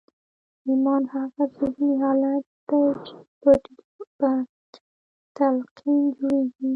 ایمان هغه ذهني حالت دی چې په تلقین جوړېږي